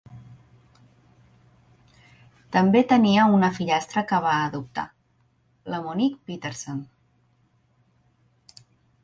També tenia una fillastra que va adoptar, la Monique Petersen.